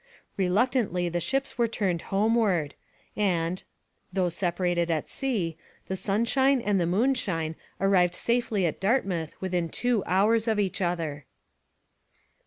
Reluctantly the ships were turned homeward, and, though separated at sea, the Sunshine and the Moonshine arrived safely at Dartmouth within two hours of each other.